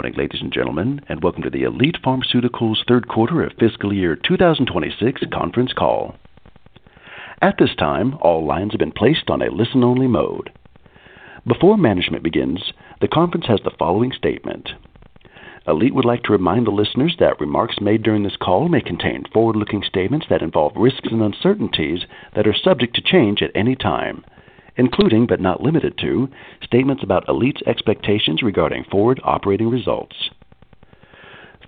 Good morning, ladies and gentlemen, and welcome to the Elite Pharmaceuticals Q3 of fiscal year 2026 conference call. At this time, all lines have been placed on a listen-only mode. Before management begins, the conference has the following statement. Elite would like to remind the listeners that remarks made during this call may contain forward-looking statements that involve risks and uncertainties that are subject to change at any time, including, but not limited to, statements about Elite's expectations regarding forward operating results.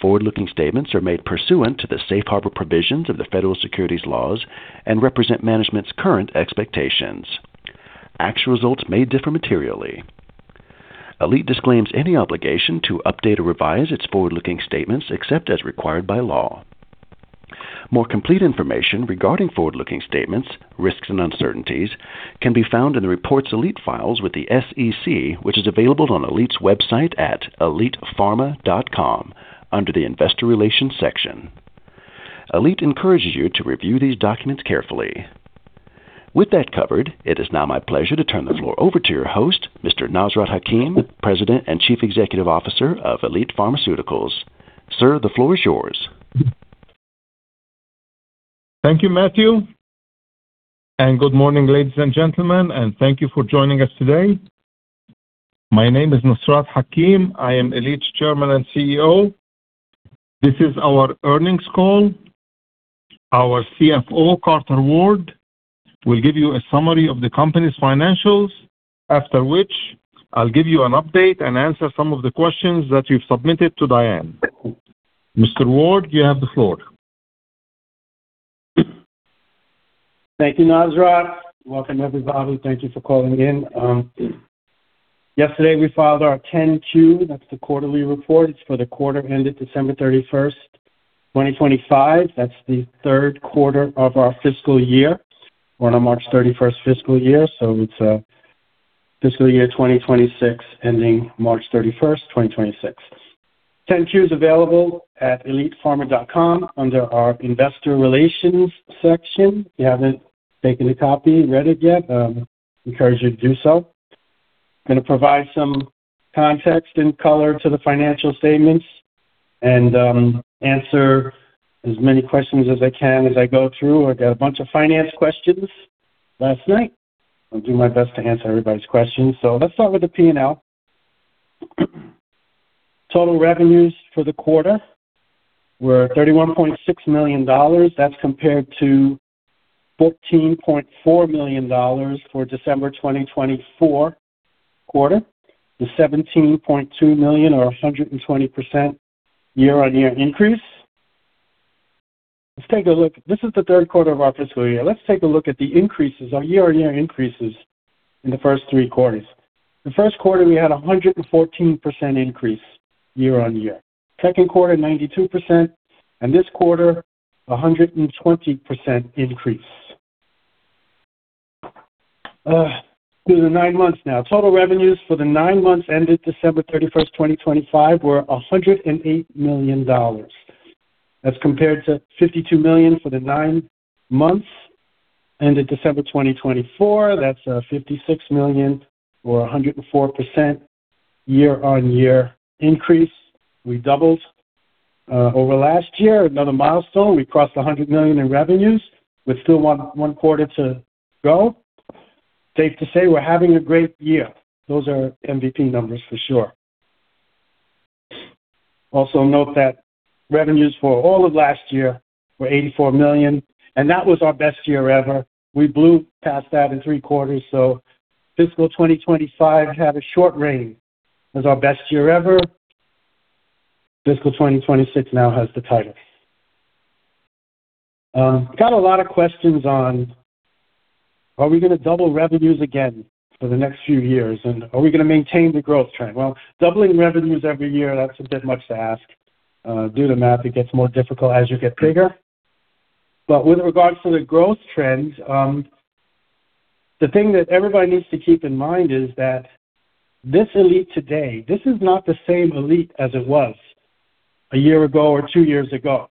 Forward-looking statements are made pursuant to the safe harbor provisions of the Federal Securities laws and represent management's current expectations. Actual results may differ materially. Elite disclaims any obligation to update or revise its forward-looking statements except as required by law. More complete information regarding forward-looking statements, risks, and uncertainties can be found in the reports Elite files with the SEC, which is available on Elite's website at elitepharma.com, under the Investor Relations section. Elite encourages you to review these documents carefully. With that covered, it is now my pleasure to turn the floor over to your host, Mr. Nasrat Hakim, President and Chief Executive Officer of Elite Pharmaceuticals. Sir, the floor is yours. Thank you, Matthew, and good morning, ladies and gentlemen, and thank you for joining us today. My name is Nasrat Hakim. I am Elite's Chairman and CEO. This is our earnings call. Our CFO, Carter Ward, will give you a summary of the company's financials, after which I'll give you an update and answer some of the questions that you've submitted to Dianne. Mr. Ward, you have the floor. Thank you, Nasrat. Welcome, everybody. Thank you for calling in. Yesterday, we filed our 10-Q. That's the quarterly report. It's for the quarter ended December 31, 2025. That's the Q3 of our fiscal year. We're on a March 31 fiscal year, so it's a fiscal year 2026, ending March 31, 2026. 10-Q is available at elitepharma.com under our Investor Relations section. If you haven't taken a copy and read it yet, I encourage you to do so. I'm going to provide some context and color to the financial statements and, answer as many questions as I can as I go through. I got a bunch of finance questions last night. I'll do my best to answer everybody's questions. So let's start with the P&L. Total revenues for the quarter were $31.6 million. That's compared to $14.4 million for December 2024 quarter, the $17.2 million or a 120% year-on-year increase. Let's take a look. This is the Q3 of our fiscal year. Let's take a look at the increases, our year-on-year increases in the first three quarters. The Q1, we had a 114% increase year-on-year, Q2, 92%, and this quarter, a 120% increase. These are nine months now. Total revenues for the nine months ended December 31, 2025, were $108 million. That's compared to $52 million for the nine months ended December 2024. That's a $56 million or a 104% year-on-year increase. We doubled over last year. Another milestone, we crossed $100 million in revenues with still 1 quarter to go. Safe to say, we're having a great year. Those are MVP numbers for sure. Also, note that revenues for all of last year were $84 million, and that was our best year ever. We blew past that in 3 quarters, so fiscal 2025 had a short reign as our best year ever. Fiscal 2026 now has the title. Got a lot of questions on, Are we going to double revenues again for the next few years, and are we going to maintain the growth trend? Well, doubling revenues every year, that's a bit much to ask. Do the math. It gets more difficult as you get bigger. But with regards to the growth trends, the thing that everybody needs to keep in mind is that this Elite today, this is not the same Elite as it was one year ago or two years ago.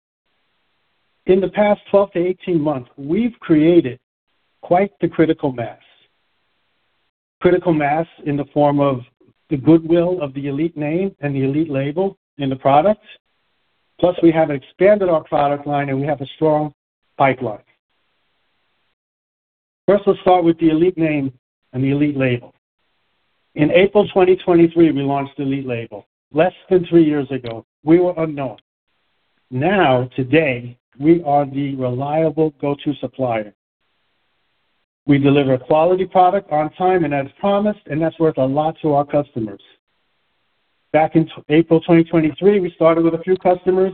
In the past 12-18 months, we've created quite the critical mass. Critical mass in the form of the goodwill of the Elite name and the Elite label in the products. Plus, we have expanded our product line, and we have a strong pipeline. First, let's start with the Elite name and the Elite label. In April 2023, we launched the Elite label. Less than three years ago, we were unknown. Now, today, we are the reliable go-to supplier. We deliver quality product on time and as promised, and that's worth a lot to our customers. Back in April 2023, we started with a few customers,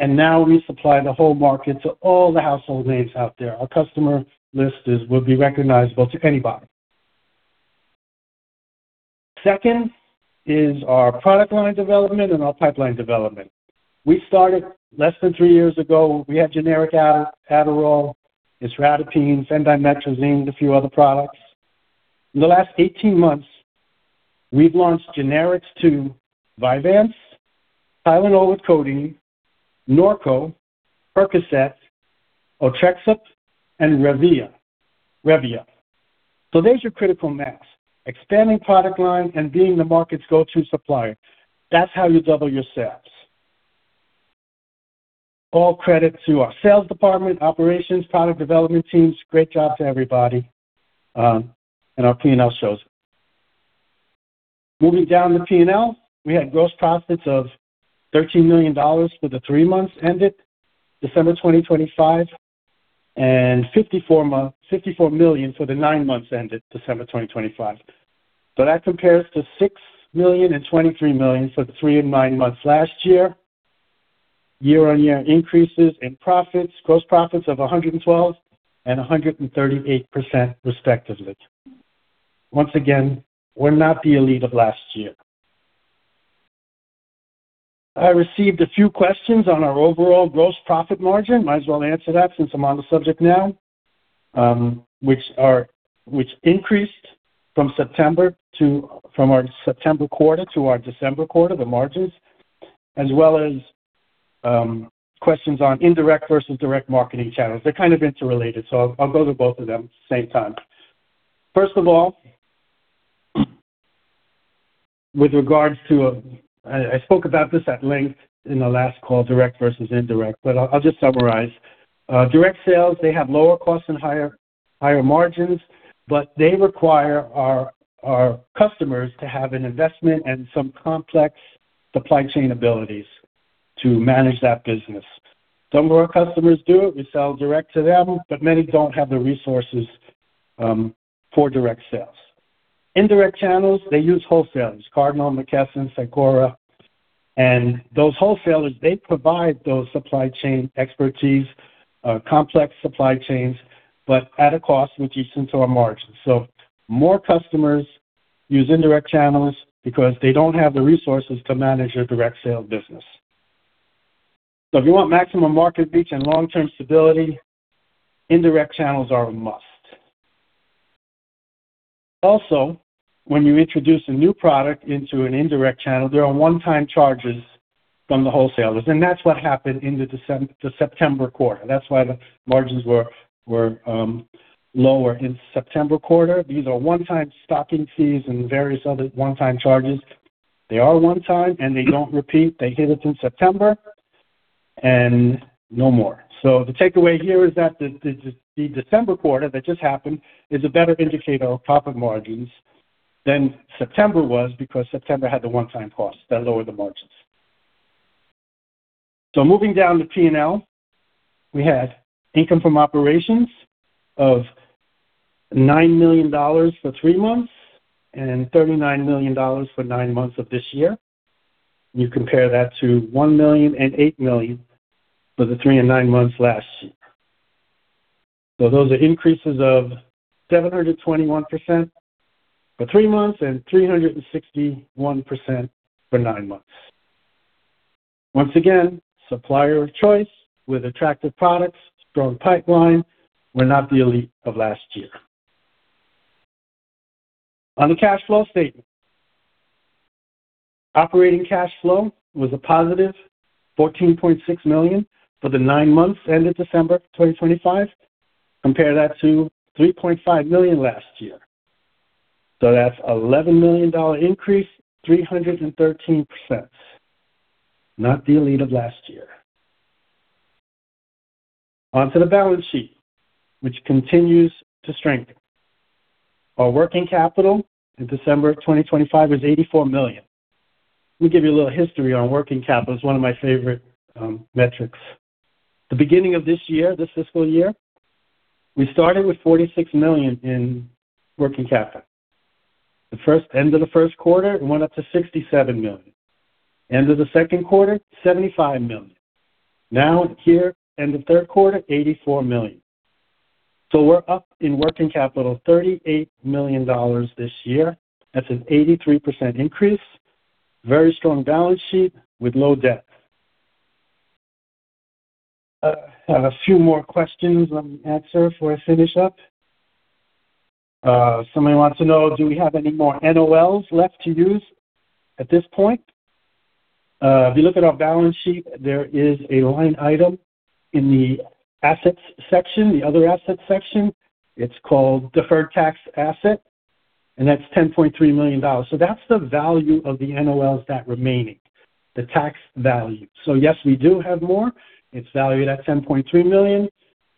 and now we supply the whole market to all the household names out there. Our customer list is, would be recognizable to anybody. Second is our product line development and our pipeline development. We started less than three years ago. We had generic Adderall, isradipine, bendamustine, a few other products. In the last 18 months, we've launched generics to Vyvanse, Tylenol with codeine, Norco, Percocet, Otrexup, and ReVia, ReVia. So there's your critical mass. Expanding product line and being the market's go-to supplier. That's how you double your sales. All credit to our sales department, operations, product development teams. Great job to everybody, and our P&L shows. Moving down the P&L, we had gross profits of $13 million for the three months ended December 2025, and $54 million for the nine months ended December 2025. So that compares to $6 million and $23 million for the three and nine months last year. Year-on-year increases in profits, gross profits of 112% and 138%, respectively. Once again, we're not the elite of last year. I received a few questions on our overall gross profit margin. Might as well answer that since I'm on the subject now, which increased from our September quarter to our December quarter, the margins, as well as questions on indirect versus direct marketing channels. They're kind of interrelated, so I'll go to both of them same time. First of all, with regards to, I spoke about this at length in the last call, direct versus indirect, but I'll just summarize. Direct sales, they have lower costs and higher margins, but they require our customers to have an investment and some complex supply chain abilities to manage that business. Some of our customers do it, we sell direct to them, but many don't have the resources for direct sales. Indirect channels, they use wholesalers, Cardinal, McKesson, Cencora. And those wholesalers, they provide those supply chain expertise, complex supply chains, but at a cost, which eats into our margins. So more customers use indirect channels because they don't have the resources to manage a direct sales business. So if you want maximum market reach and long-term stability, indirect channels are a must. Also, when you introduce a new product into an indirect channel, there are one-time charges from the wholesalers, and that's what happened in the September quarter. That's why the margins were lower in September quarter. These are one-time stocking fees and various other one-time charges. They are one-time, and they don't repeat. They hit us in September and no more. So the takeaway here is that the December quarter that just happened is a better indicator of profit margins than September was, because September had the one-time costs that lowered the margins. So moving down to P&L, we had income from operations of $9 million for three months and $39 million for nine months of this year. You compare that to $1 million and $8 million for the three and nine months last year. So those are increases of 721% for three months and 361% for nine months. Once again, supplier of choice with attractive products, strong pipeline. We're not the elite of last year. On the cash flow statement, operating cash flow was a positive $14.6 million for the nine months ended December 2025. Compare that to $3.5 million last year. So that's $11 million increase, 313%. Not the elite of last year. On to the balance sheet, which continues to strengthen. Our working capital in December 2025 was $84 million. Let me give you a little history on working capital. It's one of my favorite metrics. The beginning of this year, this fiscal year, we started with $46 million in working capital. The first, end of the Q1, it went up to $67 million. End of the Q2, $75 million. Now, here, end of Q3, $84 million. So we're up in working capital, $38 million this year. That's an 83% increase. Very strong balance sheet with low debt. I have a few more questions let me answer before I finish up. Somebody wants to know, do we have any more NOLs left to use at this point? If you look at our balance sheet, there is a line item in the assets section, the other assets section, it's called Deferred Tax Asset, and that's $10.3 million. So that's the value of the NOLs that remaining, the tax value. So yes, we do have more. It's valued at $10.3 million.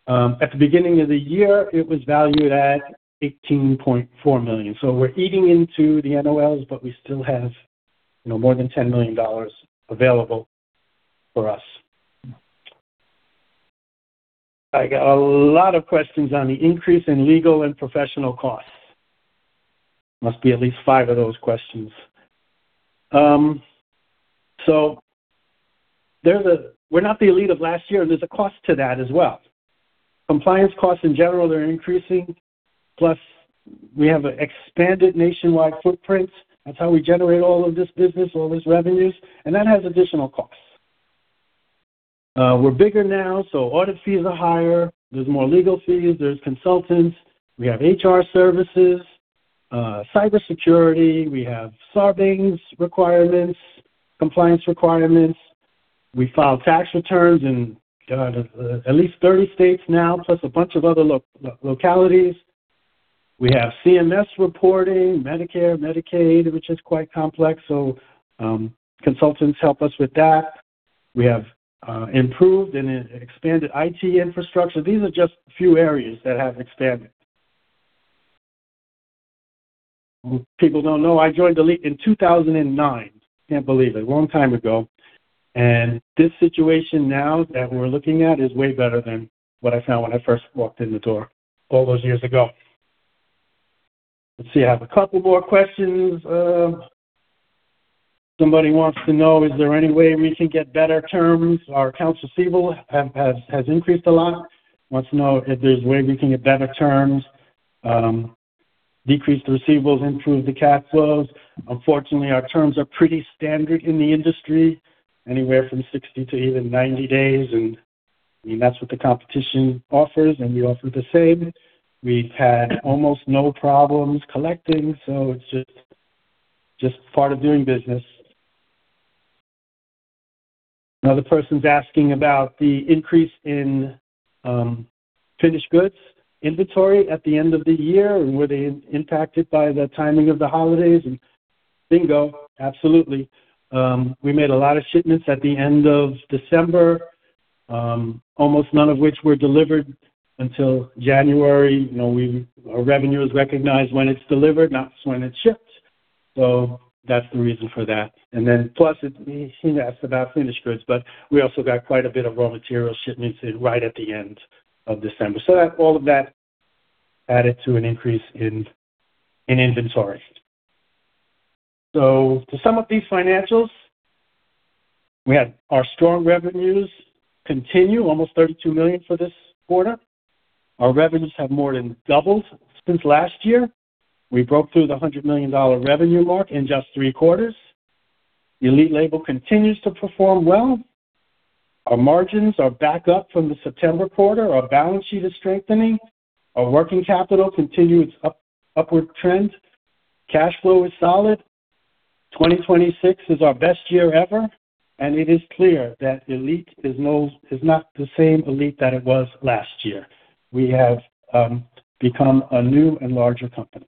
At the beginning of the year, it was valued at $18.4 million. So we're eating into the NOLs, but we still have, you know, more than $10 million available for us. I got a lot of questions on the increase in legal and professional costs. Must be at least five of those questions. So, we're not the Elite of last year, and there's a cost to that as well. Compliance costs, in general, they're increasing. Plus, we have an expanded nationwide footprint. That's how we generate all of this business, all these revenues, and that has additional costs. We're bigger now, so audit fees are higher, there's more legal fees, there's consultants, we have HR services, cybersecurity, we have Sarbanes requirements, compliance requirements. We file tax returns in at least 30 states now, plus a bunch of other localities. We have CMS reporting, Medicare, Medicaid, which is quite complex, so consultants help us with that. We have improved and expanded IT infrastructure. These are just a few areas that have expanded. People don't know I joined Elite in 2009. Can't believe it. A long time ago. This situation now that we're looking at is way better than what I found when I first walked in the door all those years ago. Let's see, I have a couple more questions. Somebody wants to know: Is there any way we can get better terms? Our accounts receivable have increased a lot. Wants to know if there's a way we can get better terms, decrease the receivables, improve the cash flows. Unfortunately, our terms are pretty standard in the industry, anywhere from 60 to even 90 days, and, I mean, that's what the competition offers, and we offer the same. We've had almost no problems collecting, so it's just part of doing business. Another person's asking about the increase in finished goods inventory at the end of the year, and were they impacted by the timing of the holidays? And bingo, absolutely. We made a lot of shipments at the end of December, almost none of which were delivered until January. You know, our revenue is recognized when it's delivered, not just when it's shipped. So that's the reason for that. And then plus, he asked about finished goods, but we also got quite a bit of raw material shipments in right at the end of December. So that all added to an increase in inventory. So to sum up these financials, we had our strong revenues continue, almost $32 million for this quarter. Our revenues have more than doubled since last year. We broke through the $100 million revenue mark in just 3 quarters. The Elite label continues to perform well. Our margins are back up from the September quarter. Our balance sheet is strengthening. Our working capital continues upward trend. Cash flow is solid. 2026 is our best year ever, and it is clear that Elite is not the same Elite that it was last year. We have become a new and larger company.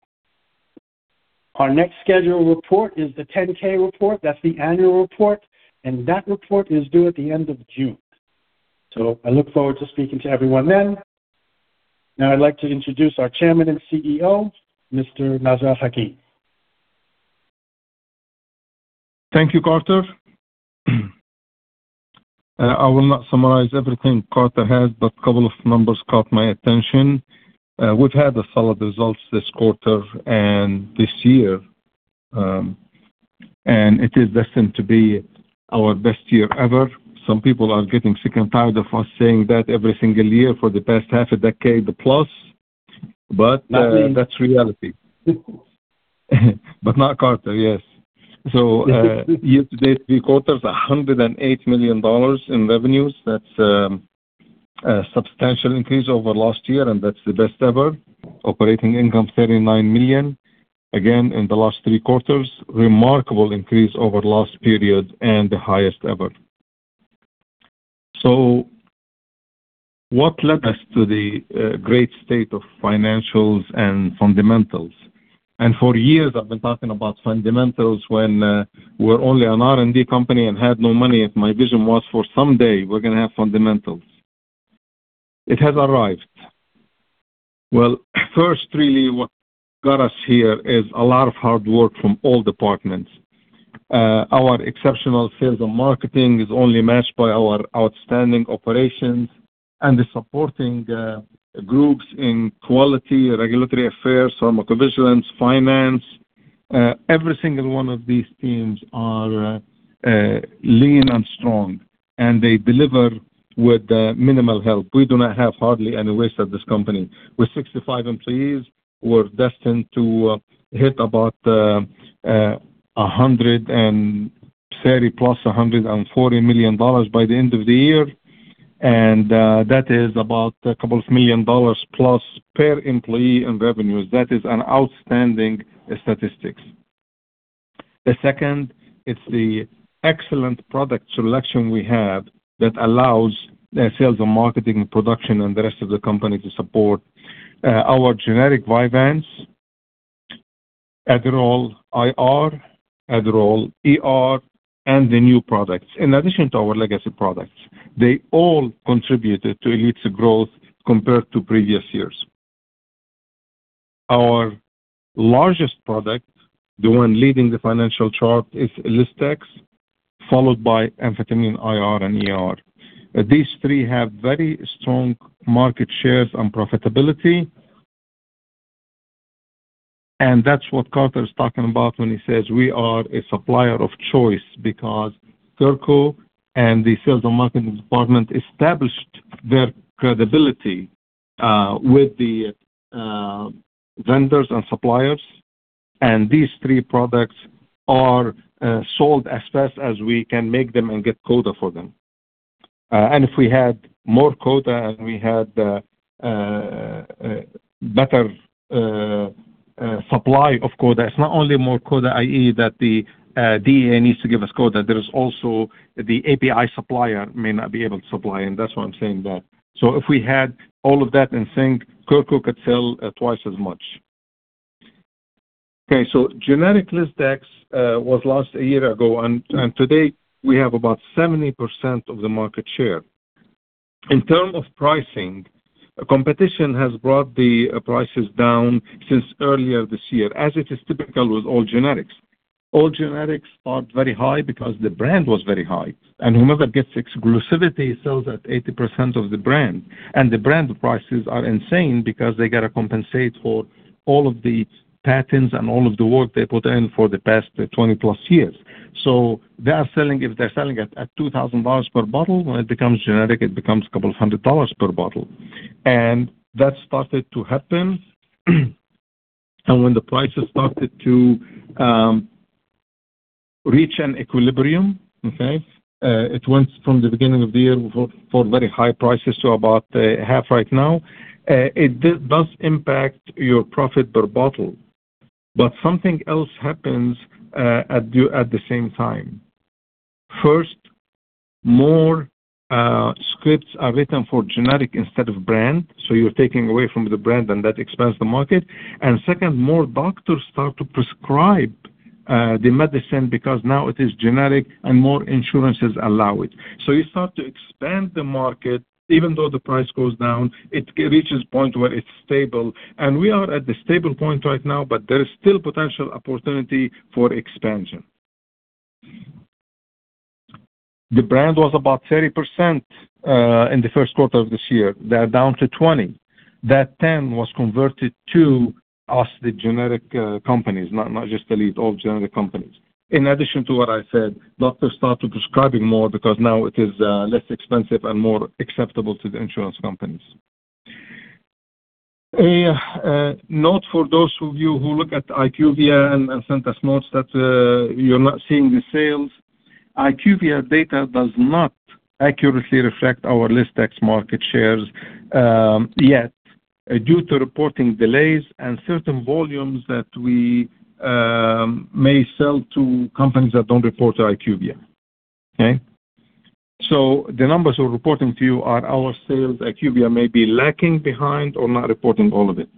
Our next scheduled report is the 10-K report. That's the annual report, and that report is due at the end of June. So I look forward to speaking to everyone then. Now I'd like to introduce our Chairman and CEO, Mr. Nasrat Hakim. Thank you, Carter. I will not summarize everything Carter has, but a couple of numbers caught my attention. We've had solid results this quarter and this year, and it is destined to be our best year ever. Some people are getting sick and tired of us saying that every single year for the past half a decade plus, but that's reality. But not Carter, yes. So, year-to-date, three quarters, $108 million in revenues. That's a substantial increase over last year, and that's the best ever. Operating income, $39 million. Again, in the last three quarters, remarkable increase over last period and the highest ever. So what led us to the great state of financials and fundamentals? For years, I've been talking about fundamentals when we're only an R&D company and had no money, and my vision was for someday we're gonna have fundamentals. It has arrived. Well, first, really, what got us here is a lot of hard work from all departments. Our exceptional sales and marketing is only matched by our outstanding operations and the supporting groups in quality, regulatory affairs, pharmacovigilance, finance. Every single one of these teams are lean and strong, and they deliver with minimal help. We do not have hardly any waste at this company. We're 65 employees. We're destined to hit about a $130 million-$140 million by the end of the year, and that is about a couple of million dollars plus per employee in revenues. That is an outstanding statistics. The second, it's the excellent product selection we have that allows the sales and marketing, production, and the rest of the company to support our generic Vyvanse, Adderall IR, Adderall ER, and the new products. In addition to our legacy products, they all contributed to Elite's growth compared to previous years. Our largest product, the one leading the financial chart, is Lisdex, followed by amphetamine IR and ER. These three have very strong market shares and profitability. And that's what Carter is talking about when he says we are a supplier of choice because Kirko and the sales and marketing department established their credibility with the vendors and suppliers. And these three products are sold as fast as we can make them and get quota for them. And if we had more quota and we had a better supply of quota, it's not only more quota, i.e., that the DEA needs to give us quota. There is also the API supplier may not be able to supply, and that's why I'm saying that. So if we had all of that in sync, Kirko could sell twice as much. Okay, so generic Lisdex was launched a year ago, and today we have about 70% of the market share. In terms of pricing, competition has brought the prices down since earlier this year, as it is typical with all generics. All generics start very high because the brand was very high, and whomever gets exclusivity sells at 80% of the brand. The brand prices are insane because they got to compensate for all of the patents and all of the work they put in for the past 20+ years. They are selling. If they're selling it at $2,000 per bottle, when it becomes generic, it becomes a couple of hundred dollars per bottle. That started to happen. When the prices started to reach an equilibrium, okay, it went from the beginning of the year for very high prices to about half right now. It does impact your profit per bottle. Something else happens at the same time. First, more scripts are written for generic instead of brand, so you're taking away from the brand, and that expands the market. Second, more doctors start to prescribe the medicine because now it is generic and more insurances allow it. So you start to expand the market. Even though the price goes down, it reaches a point where it's stable, and we are at the stable point right now, but there is still potential opportunity for expansion. The brand was about 30% in the Q1 of this year. They are down to 20. That 10 was converted to us, the generic companies, not just Elite, all generic companies. In addition to what I said, doctors start to prescribing more because now it is less expensive and more acceptable to the insurance companies. A note for those of you who look at IQVIA and sent us notes that you're not seeing the sales. IQVIA data does not accurately reflect our listed market shares, yet, due to reporting delays and certain volumes that we may sell to companies that don't report to IQVIA. Okay? So the numbers we're reporting to you are our sales. IQVIA may be lagging behind or not reporting all of it.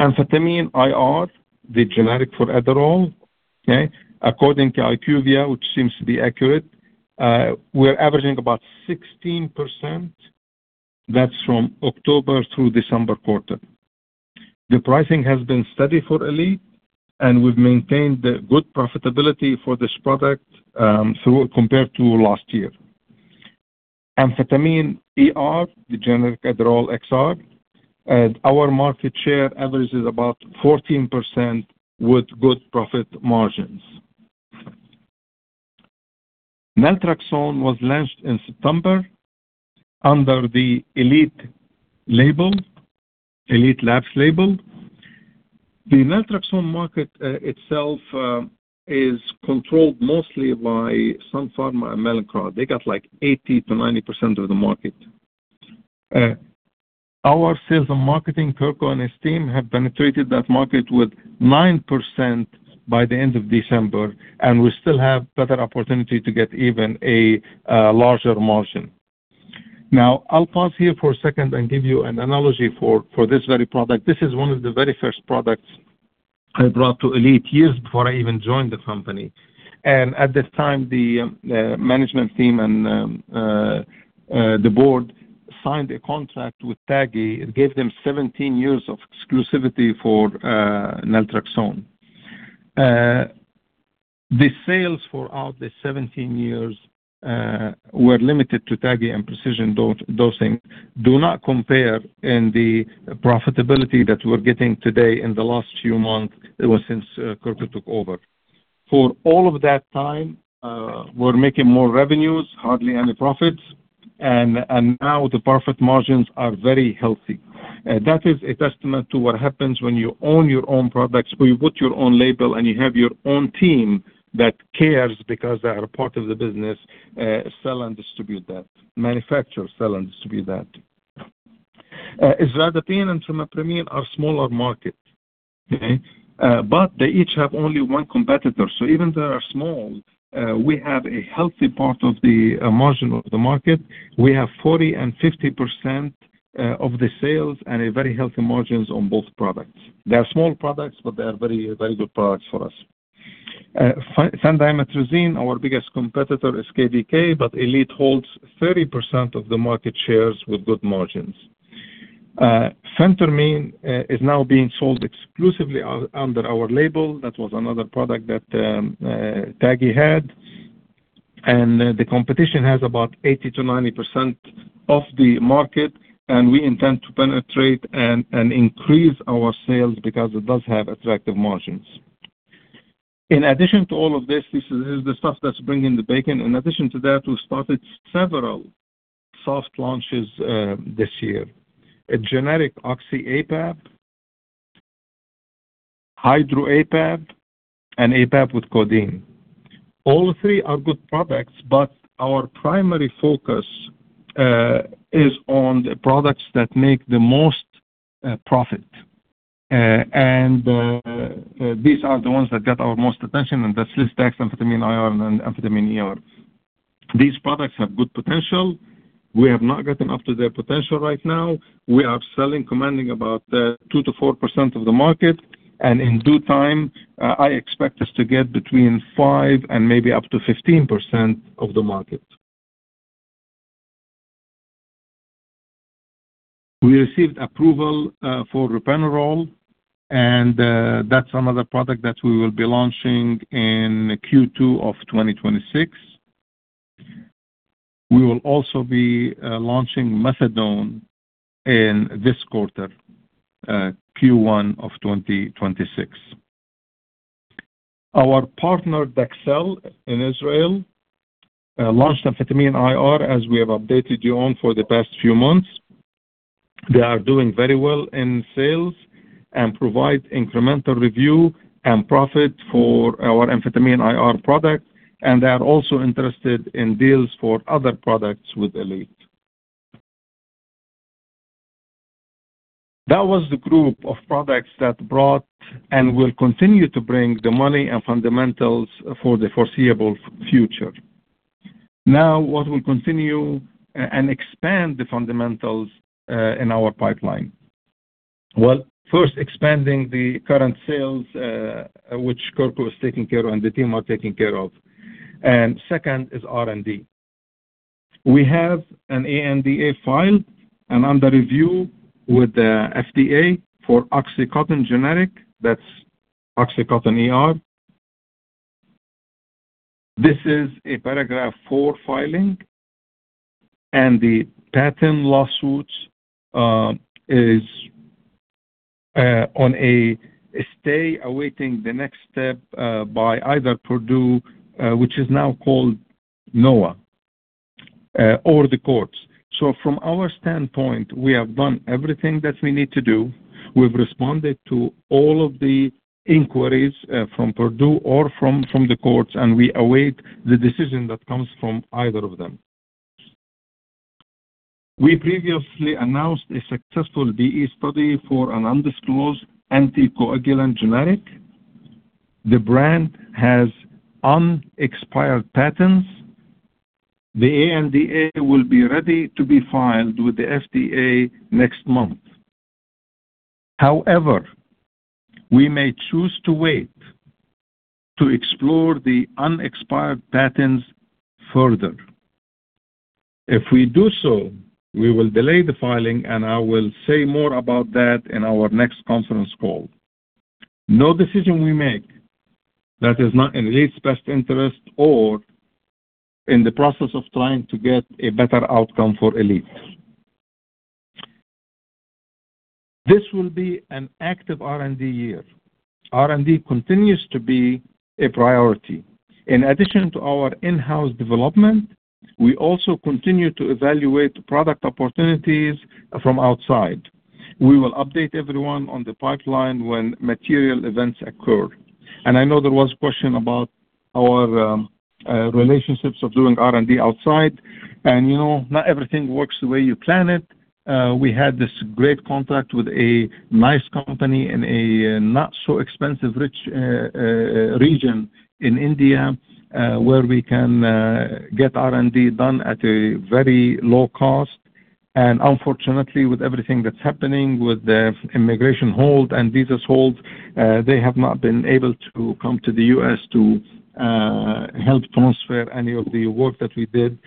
amphetamine IR, the generic for Adderall, okay? According to IQVIA, which seems to be accurate, we're averaging about 16%. That's from October through December quarter. The pricing has been steady for Elite, and we've maintained the good profitability for this product, through compared to last year. Amphetamine ER, the generic Adderall XR, our market share averages about 14% with good profit margins. Naltrexone was launched in September under the Elite label, Elite Labs label. The naltrexone market, itself, is controlled mostly by Sun Pharma and Mallinckrodt. They got, like, 80%-90% of the market. Our sales and marketing, Kirko and his team, have penetrated that market with 9% by the end of December, and we still have better opportunity to get even a larger margin. Now, I'll pause here for a second and give you an analogy for this very product. This is one of the very first products I brought to Elite years before I even joined the company. At the time, the board signed a contract with TAGI. It gave them 17 years of exclusivity for naltrexone. The sales throughout the 17 years were limited to TAGI and Precision Dose. Do not compare in the profitability that we're getting today in the last few months, it was since Kirko took over. For all of that time, we're making more revenues, hardly any profits, and now the profit margins are very healthy. That is a testament to what happens when you own your own products, when you put your own label, and you have your own team that cares because they are a part of the business, sell and distribute that... manufacture, sell, and distribute that. Isradipine and trimipramine are smaller markets, okay? But they each have only one competitor. So even though they are small, we have a healthy part of the margin of the market. We have 40% and 50% of the sales and a very healthy margins on both products. They are small products, but they are very, very good products for us. Phentermine, our biggest competitor is KVK, but Elite holds 30% of the market shares with good margins. Phentermine is now being sold exclusively under our label. That was another product that TAGI had, and the competition has about 80%-90% of the market, and we intend to penetrate and increase our sales because it does have attractive margins. In addition to all of this, this is the stuff that's bringing the bacon. In addition to that, we started several soft launches this year. A generic Oxy APAP, Hydro APAP, and APAP with codeine. All three are good products, but our primary focus is on the products that make the most profit. These are the ones that get our most attention, and that's Lisdex, amphetamine IR, and Amphetamine ER. These products have good potential. We have not gotten up to their potential right now. We are selling, commanding about 2%-4% of the market, and in due time, I expect us to get between 5% and maybe up to 15% of the market. We received approval for Ritalin, and that's another product that we will be launching in Q2 of 2026. We will also be launching methadone in this quarter, Q1 of 2026. Our partner, Dexcel, in Israel, launched amphetamine IR, as we have updated you on for the past few months. They are doing very well in sales and provide incremental revenue and profit for our amphetamine IR product, and they are also interested in deals for other products with Elite. That was the group of products that brought and will continue to bring the money and fundamentals for the foreseeable future. Now, what will continue and expand the fundamentals in our pipeline? Well, first, expanding the current sales, which Kirko is taking care of and the team are taking care of. And second is R&D. We have an ANDA filed and under review with the FDA for OxyContin generic. That's OxyContin ER. This is a Paragraph IV filing, and the patent lawsuits is on a stay, awaiting the next step by either Purdue, which is now called Knoa, or the courts. So from our standpoint, we have done everything that we need to do. We've responded to all of the inquiries from Purdue or from the courts, and we await the decision that comes from either of them. We previously announced a successful BE study for an undisclosed anticoagulant generic. The brand has unexpired patents. The ANDA will be ready to be filed with the FDA next month. However, we may choose to wait to explore the unexpired patents further. If we do so, we will delay the filing, and I will say more about that in our next conference call. No decision we make that is not in Elite's best interest or in the process of trying to get a better outcome for Elite. This will be an active R&D year. R&D continues to be a priority. In addition to our in-house development, we also continue to evaluate product opportunities from outside. We will update everyone on the pipeline when material events occur. I know there was a question about our relationships of doing R&D outside, and, you know, not everything works the way you plan it. We had this great contract with a nice company in a not so expensive, rich region in India, where we can get R&D done at a very low cost. And unfortunately, with everything that's happening with the immigration hold and visas hold, they have not been able to come to the U.S. to help transfer any of the work that we did.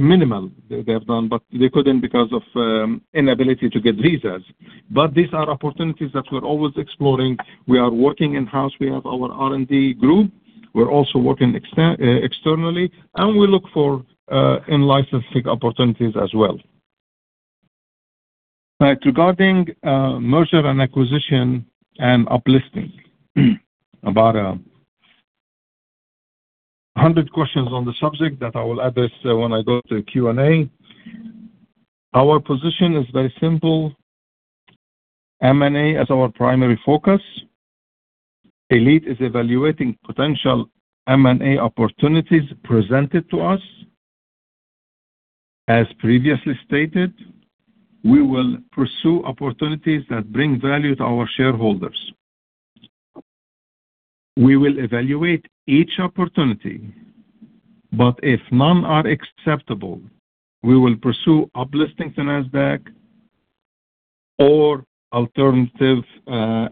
Minimum, they have done, but they couldn't because of inability to get visas. But these are opportunities that we're always exploring. We are working in-house. We have our R&D group. We're also working externally, and we look for in licensing opportunities as well. Regarding merger and acquisition and uplisting. About 100 questions on the subject that I will address when I go to the Q&A. Our position is very simple. M&A is our primary focus. Elite is evaluating potential M&A opportunities presented to us. As previously stated, we will pursue opportunities that bring value to our shareholders. We will evaluate each opportunity, but if none are acceptable, we will pursue uplistings in Nasdaq or alternative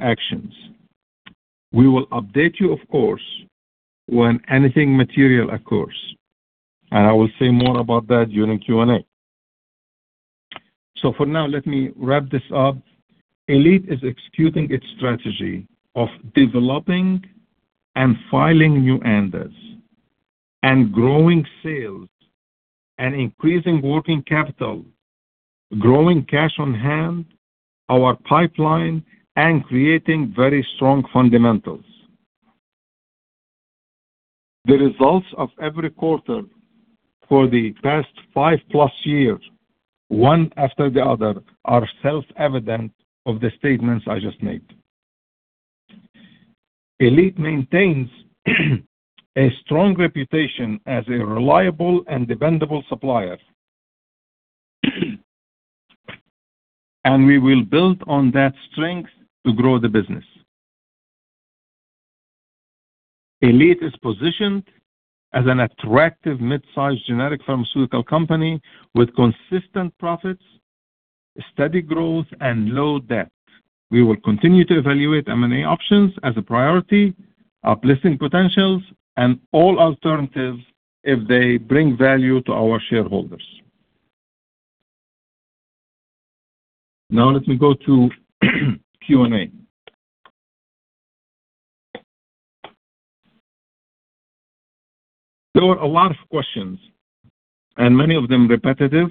actions. We will update you, of course, when anything material occurs, and I will say more about that during Q&A. So for now, let me wrap this up. Elite is executing its strategy of developing and filing new ANDAs... and growing sales and increasing working capital, growing cash on hand, our pipeline, and creating very strong fundamentals. The results of every quarter for the past 5+ years, one after the other, are self-evident of the statements I just made. Elite maintains a strong reputation as a reliable and dependable supplier, and we will build on that strength to grow the business. Elite is positioned as an attractive mid-sized generic pharmaceutical company with consistent profits, steady growth, and low debt. We will continue to evaluate M&A options as a priority, our listing potentials, and all alternatives if they bring value to our shareholders. Now let me go to Q&A. There were a lot of questions, and many of them repetitive,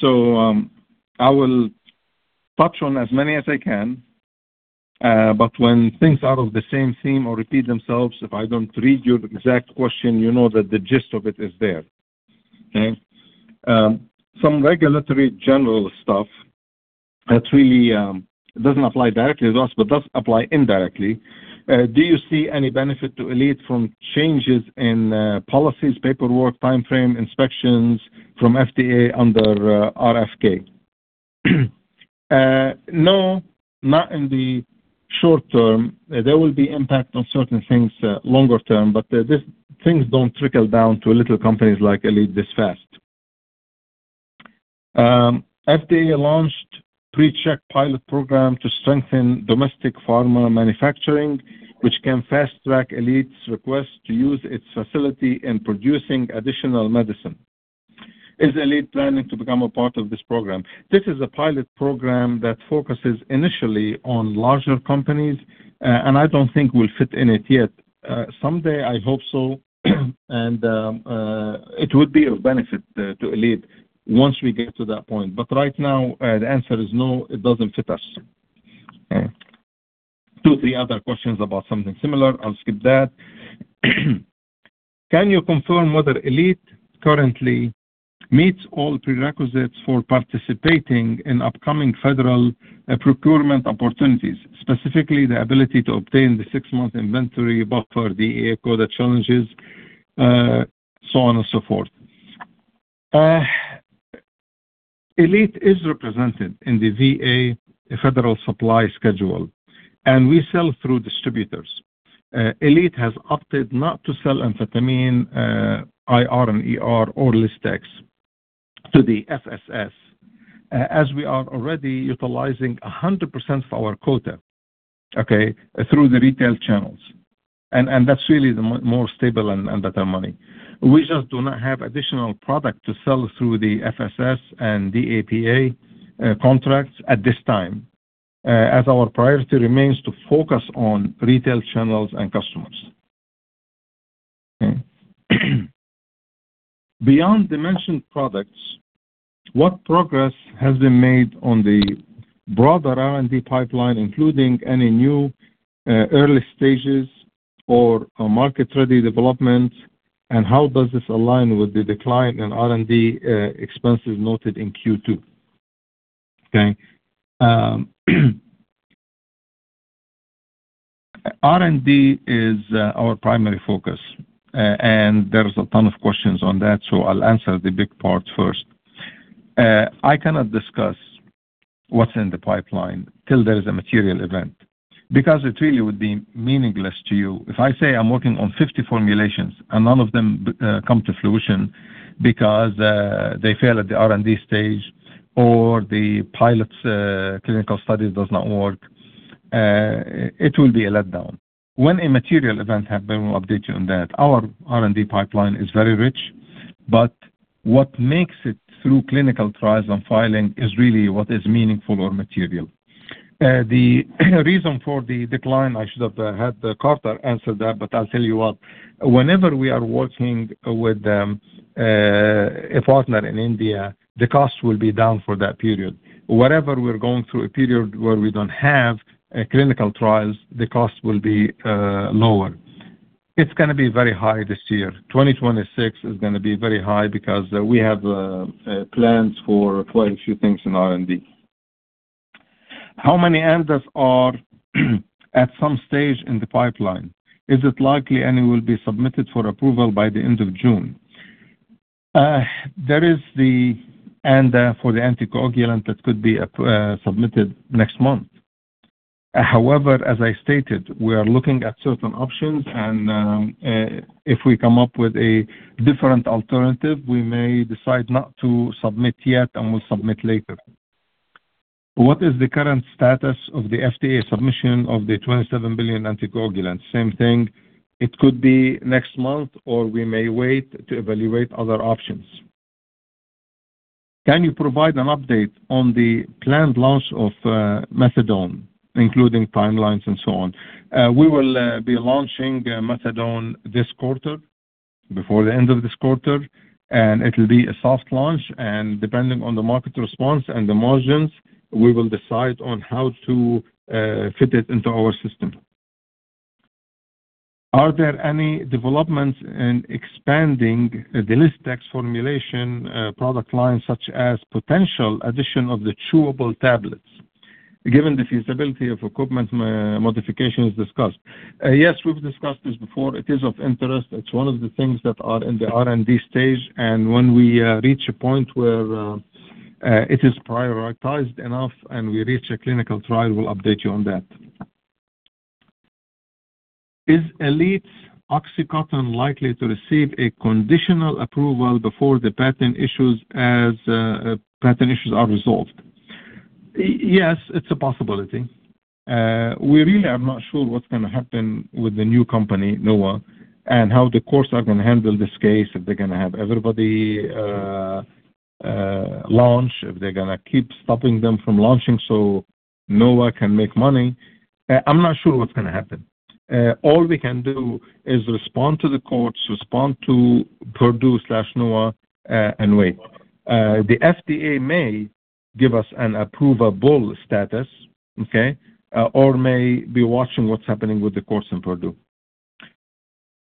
so, I will touch on as many as I can. But when things are of the same theme or repeat themselves, if I don't read your exact question, you know that the gist of it is there. Okay? Some regulatory general stuff that really doesn't apply directly to us but does apply indirectly. Do you see any benefit to Elite from changes in policies, paperwork, time frame, inspections from FDA under RFK? No, not in the short term. There will be impact on certain things longer term, but these things don't trickle down to little companies like Elite this fast. FDA launched PreCheck pilot program to strengthen domestic pharma manufacturing, which can fast-track Elite's request to use its facility in producing additional medicine. Is Elite planning to become a part of this program? This is a pilot program that focuses initially on larger companies, and I don't think we'll fit in it yet. Someday, I hope so, and it would be of benefit to Elite once we get to that point. But right now, the answer is no, it doesn't fit us. Okay. Two, three other questions about something similar. I'll skip that. Can you confirm whether Elite currently meets all prerequisites for participating in upcoming federal procurement opportunities, specifically the ability to obtain the six-month inventory buffer, the DEA quota challenges, so on and so forth? Elite is represented in the VA Federal Supply Schedule, and we sell through distributors. Elite has opted not to sell amphetamine IR and ER, or Lisdex to the FSS, as we are already utilizing 100% of our quota, okay, through the retail channels, and that's really the more stable and better money. We just do not have additional product to sell through the FSS and the DAPA, contracts at this time, as our priority remains to focus on retail channels and customers. Beyond the mentioned products, what progress has been made on the broader R&D pipeline, including any new, early stages or, market-ready development, and how does this align with the decline in R&D, expenses noted in Q2? Okay, R&D is our primary focus, and there's a ton of questions on that, so I'll answer the big part first. I cannot discuss what's in the pipeline till there is a material event because it really would be meaningless to you. If I say I'm working on 50 formulations and none of them come to fruition because they fail at the R&D stage or the pilot's clinical study does not work, it will be a letdown. When a material event happens, we will update you on that. Our R&D pipeline is very rich, but what makes it through clinical trials and filing is really what is meaningful or material. The reason for the decline, I should have had Carter answer that, but I'll tell you what. Whenever we are working with a partner in India, the cost will be down for that period. Whenever we're going through a period where we don't have clinical trials, the cost will be lower. It's gonna be very high this year. 2026 is gonna be very high because we have plans for quite a few things in R&D. How many ANDAs are at some stage in the pipeline? Is it likely any will be submitted for approval by the end of June? There is the ANDA for the anticoagulant that could be submitted next month. However, as I stated, we are looking at certain options, and if we come up with a different alternative, we may decide not to submit yet, and we'll submit later. What is the current status of the FDA submission of the $27 billion anticoagulant? Same thing. It could be next month, or we may wait to evaluate other options. Can you provide an update on the planned launch of methadone, including timelines and so on? We will be launching methadone this quarter, before the end of this quarter, and it will be a soft launch, and depending on the market response and the margins, we will decide on how to fit it into our system. Are there any developments in expanding the Lisdex formulation product line, such as potential addition of the chewable tablets, given the feasibility of equipment modifications discussed? Yes, we've discussed this before. It is of interest. It's one of the things that are in the R&D stage, and when we reach a point where it is prioritized enough and we reach a clinical trial, we'll update you on that. Is Elite's OxyContin likely to receive a conditional approval before the patent issues as patent issues are resolved? Yes, it's a possibility. We really are not sure what's gonna happen with the new company, Knoa, and how the courts are gonna handle this case, if they're gonna have everybody, launch, if they're gonna keep stopping them from launching so Knoa can make money. I'm not sure what's gonna happen. All we can do is respond to the courts, respond to Purdue/Knoa, and wait. The FDA may give us an approvable status, okay, or may be watching what's happening with the courts and Purdue.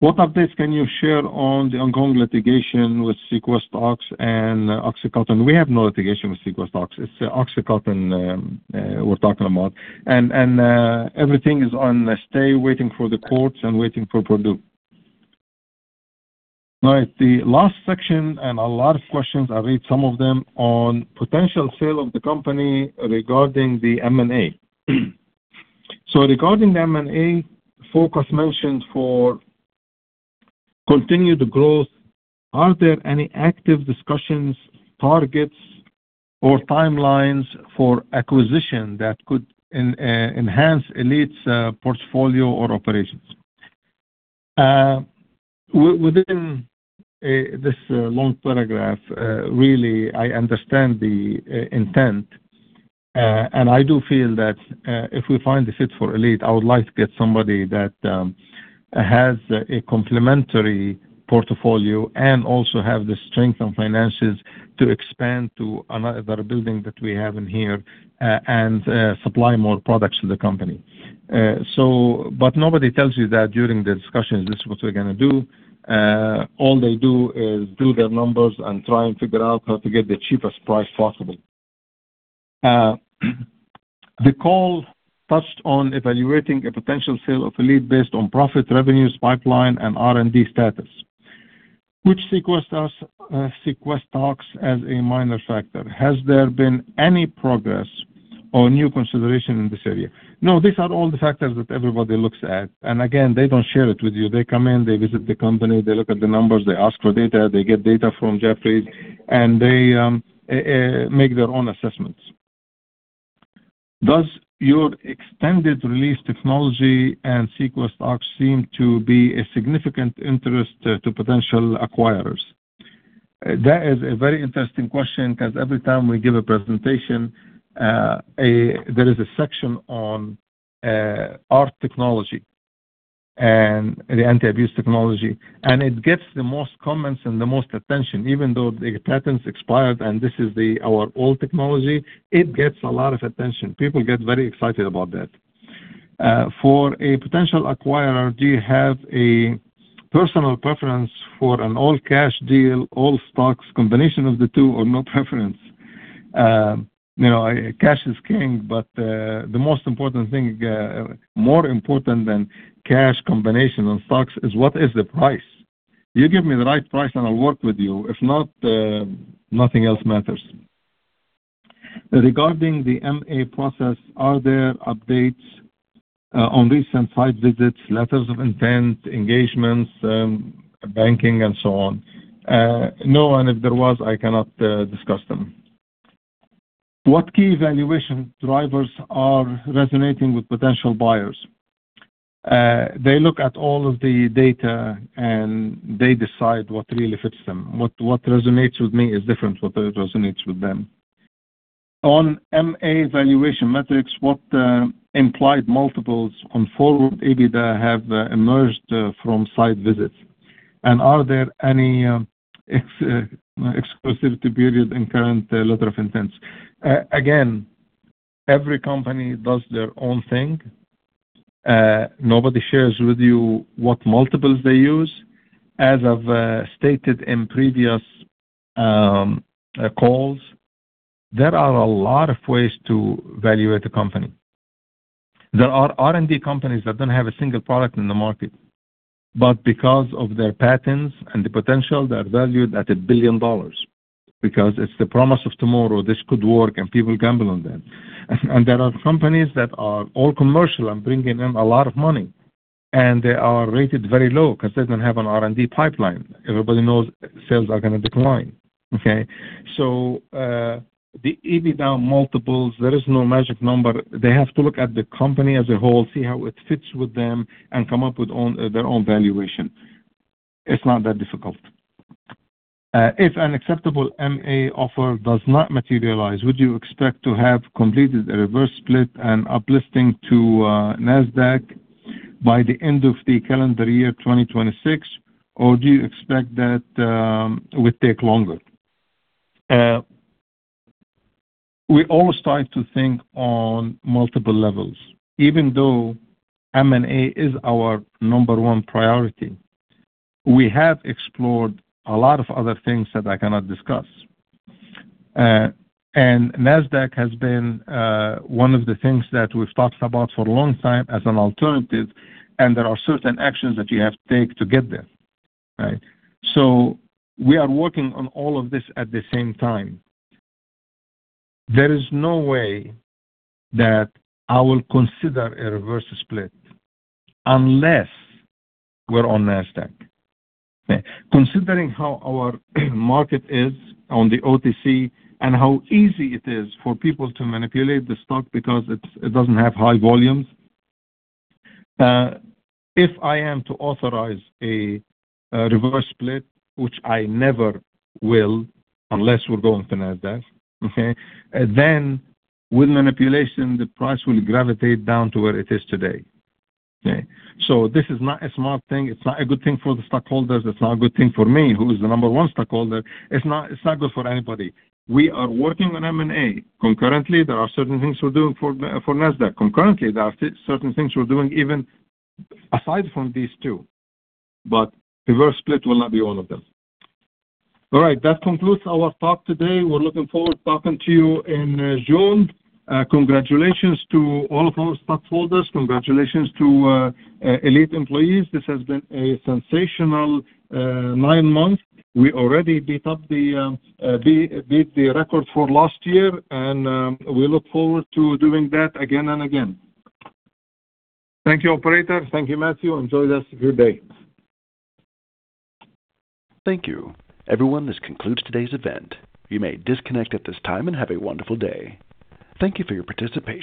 What updates can you share on the ongoing litigation with SequestOx and OxyContin? We have no litigation with SequestOx. It's OxyContin, we're talking about. And, everything is on stay, waiting for the courts and waiting for Purdue. Right, the last section and a lot of questions, I read some of them, on potential sale of the company regarding the M&A. So regarding the M&A, focus mentioned for continued growth, are there any active discussions, targets, or timelines for acquisition that could enhance Elite's portfolio or operations? Within this long paragraph, really, I understand the intent, and I do feel that if we find a fit for Elite, I would like to get somebody that has a complementary portfolio and also have the strength and finances to expand to another building that we have in here, and supply more products to the company. So, but nobody tells you that during the discussions, this is what we're gonna do. All they do is do their numbers and try and figure out how to get the cheapest price possible. The call touched on evaluating a potential sale of Elite based on profit, revenues, pipeline, and R&D status, which SequestOx as a minor factor. Has there been any progress or new consideration in this area? No, these are all the factors that everybody looks at. And again, they don't share it with you. They come in, they visit the company, they look at the numbers, they ask for data, they get data from Jeffrey, and they make their own assessments. Does your extended release technology and SequestOx seem to be a significant interest to potential acquirers? That is a very interesting question, 'cause every time we give a presentation, a... There is a section on our technology and the anti-abuse technology, and it gets the most comments and the most attention, even though the patents expired and this is our old technology, it gets a lot of attention. People get very excited about that. For a potential acquirer, do you have a personal preference for an all-cash deal, all stocks, combination of the two, or no preference? You know, cash is king, but the most important thing, more important than cash, combination, or stocks, is what is the price? You give me the right price, and I'll work with you. If not, nothing else matters. Regarding the M&A process, are there updates on recent site visits, letters of intent, engagements, banking, and so on? No, and if there was, I cannot discuss them. What key valuation drivers are resonating with potential buyers? They look at all of the data, and they decide what really fits them. What resonates with me is different from what resonates with them. On M&A valuation metrics, what implied multiples on forward EBITDA have emerged from site visits? And are there any exclusivity period in current letter of intents? Again, every company does their own thing. Nobody shares with you what multiples they use. As I've stated in previous calls, there are a lot of ways to valuate a company. There are R&D companies that don't have a single product in the market, but because of their patents and the potential, they're valued at $1 billion because it's the promise of tomorrow, this could work, and people gamble on that. There are companies that are all commercial and bringing in a lot of money, and they are rated very low because they don't have an R&D pipeline. Everybody knows sales are gonna decline, okay? So, the EBITDA multiples, there is no magic number. They have to look at the company as a whole, see how it fits with them, and come up with own, their own valuation.... It's not that difficult. If an acceptable M&A offer does not materialize, would you expect to have completed a reverse split and uplisting to Nasdaq by the end of the calendar year, 2026? Or do you expect that, it would take longer? We always try to think on multiple levels. Even though M&A is our number one priority, we have explored a lot of other things that I cannot discuss. And Nasdaq has been one of the things that we've talked about for a long time as an alternative, and there are certain actions that you have to take to get there, right? So we are working on all of this at the same time. There is no way that I will consider a reverse split unless we're on Nasdaq. Considering how our market is on the OTC and how easy it is for people to manipulate the stock because it's, it doesn't have high volumes, if I am to authorize a reverse split, which I never will, unless we're going to Nasdaq, okay? Then with manipulation, the price will gravitate down to where it is today, okay? So this is not a smart thing. It's not a good thing for the stockholders. It's not a good thing for me, who is the number one stockholder. It's not, it's not good for anybody. We are working on M&A. Concurrently, there are certain things we're doing for, for Nasdaq. Concurrently, there are certain things we're doing even aside from these two, but reverse split will not be one of them. All right, that concludes our talk today. We're looking forward to talking to you in June. Congratulations to all of our stockholders. Congratulations to Elite employees. This has been a sensational nine months. We already beat the record for last year, and we look forward to doing that again and again. Thank you, operator. Thank you, Matthew. Enjoy the rest of your day. Thank you. Everyone, this concludes today's event. You may disconnect at this time and have a wonderful day. Thank you for your participation.